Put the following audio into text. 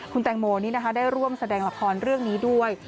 คุณแตงโมนี่นะคะได้ร่วมแสดงละครเรื่องนี้ด้วย